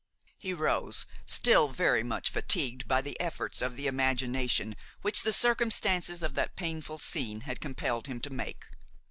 He rose, still very much fatigued by the efforts of the imagination which the circumstances of that painful scene had compelled him to make.